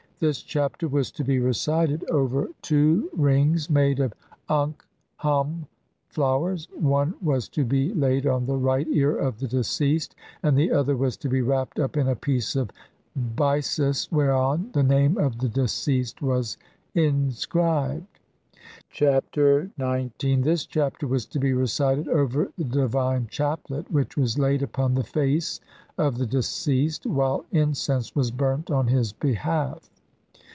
This Chapter was to be recited over THE MAGIC OF THE BOOK OF THE DEAD. CLVII two rings made of ankh'am flowers ; one was to be laid on the right ear of the deceased, and the other was to be wrapped up in a piece of byssus whereon the name of the deceased was inscribed. Chap. XIX. This Chapter was to be recited over the divine chaplet which was laid upon the face of the deceased while incense was burnt on his behalf.